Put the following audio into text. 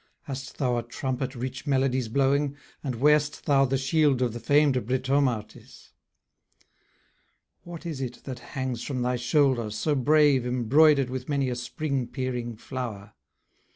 Hast thou a trumpet rich melodies blowing? And wear'st thou the shield of the fam'd Britomartis? What is it that hangs from thy shoulder, so brave, Embroidered with many a spring peering flower?